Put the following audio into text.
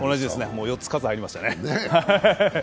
もう４つ、喝が入りましたね。